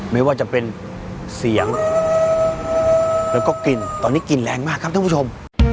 ไม่ว่าจะเป็นเสียงแล้วก็กลิ่นตอนนี้กลิ่นแรงมากครับท่านผู้ชม